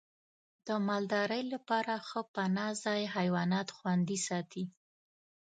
د مالدارۍ لپاره ښه پناه ځای حیوانات خوندي ساتي.